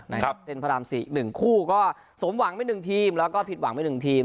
เส้นพระราม๔๑คู่ก็สมหวังไป๑ทีมแล้วก็ผิดหวังไป๑ทีม